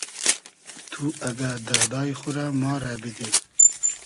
تو اگۂ دئردای خو رۂ ما رۂ بیدی